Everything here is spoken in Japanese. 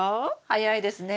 早いですね。